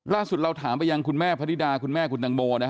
ล่าสุดเราถามไปยังคุณแม่พนิดาคุณแม่คุณตังโม